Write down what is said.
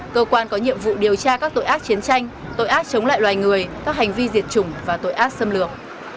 cơ quan có nhiệm vụ điều tra các tội ác chiến tranh tội ác chống lại loài người các hành vi diệt chủng và tội ác xâm lược